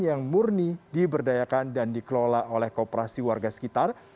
yang murni diberdayakan dan dikelola oleh kooperasi warga sekitar